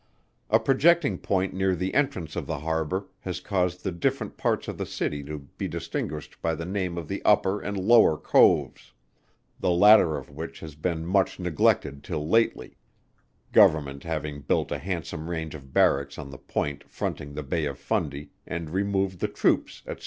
A projecting point near the entrance of the harbour, has caused the different parts of the city to be distinguished by the name of the upper and lower coves; the latter of which has been much neglected till lately, Government having built a handsome range of Barracks on the point fronting the Bay of Fundy, and removed the troops, &c.